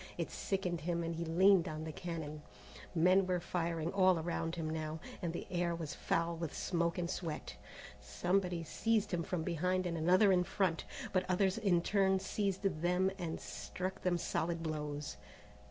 It sickened him and he leaned on the cannon. Men were fighting all around him now, and the air was foul with smoke and sweat. Somebody seized him from behind and another in front, but others in turn seized them or struck them solid blows.